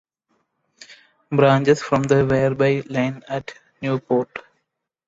Branches from the Werribee line at Newport.